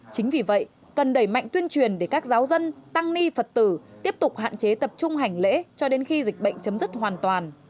chính vì vậy cần đẩy mạnh tuyên truyền để các giáo dân tăng ni phật tử tiếp tục hạn chế tập trung hành lễ cho đến khi dịch bệnh chấm dứt hoàn toàn